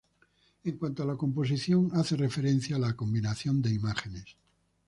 En cuanto a la composición hace referencia a la combinación de imágenes.